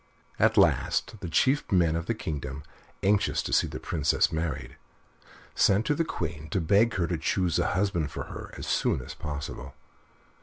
At last the chief men of the kingdom, anxious to see their Princess married, sent to the Queen to beg her to choose a husband for her as soon as possible.